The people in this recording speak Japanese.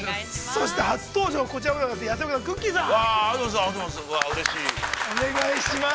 そして初登場、こちらもでございます。